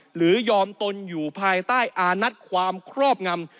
หรือยอมตนอยู่ภายใต้อานัทความครอบงำ